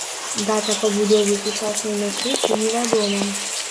Дата пабудовы сучаснай мячэці не вядома.